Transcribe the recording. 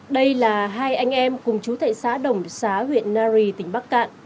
đây là hai anh em cùng chú thệ xã đồng xá huyện nari tỉnh bắc cạn